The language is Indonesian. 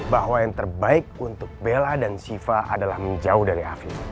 bahwa yang terbaik untuk bella dan siva adalah menjauh dari afi